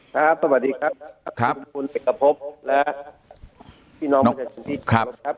ครับสวัสดีครับท่านคุณเอกพกและพี่น้องผู้ชมจริงครับ